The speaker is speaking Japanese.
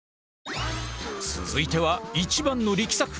続いては一番の力作。